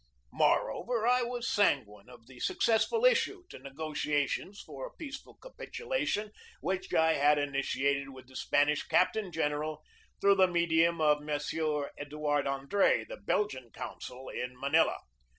More over, I was sanguine of the successful issue to nego tiations for a peaceful capitulation which I had ini tiated with the Spanish captain general through the medium of M. Edouard Andre, the Belgian consul in Manila.